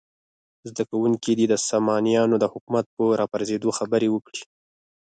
زده کوونکي دې د سامانیانو د حکومت په راپرزېدو خبرې وکړي.